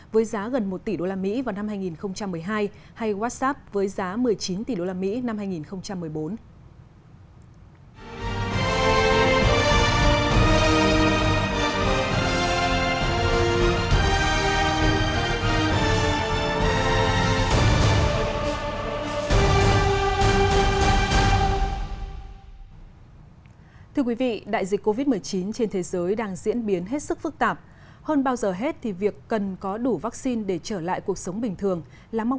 với giá gần một tỷ usd vào năm hai nghìn một mươi hai hay whatsapp với giá một mươi chín tỷ usd năm hai nghìn một mươi bốn